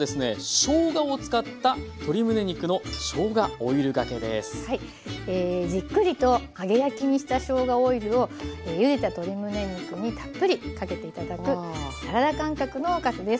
しょうがを使ったじっくりと揚げ焼きにしたしょうがオイルをゆでた鶏むね肉にたっぷりかけて頂くサラダ感覚のおかずです。